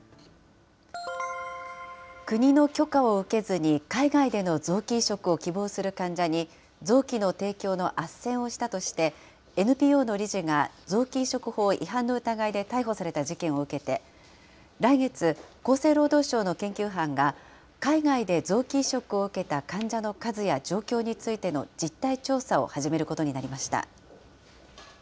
国の許可を受けずに海外での臓器移植を希望する患者に臓器の提供のあっせんをしたとして、ＮＰＯの理事が臓器移植法違反の疑いで逮捕された事件を受けて、来月、厚生労働省の研究班が、海外で臓器移植を受けた患者の数や状況についての実態調査を始めることになりました。